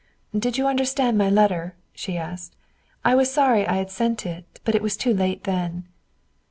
"Did you understand my letter?" she asked. "I was sorry I had sent it, but it was too late then."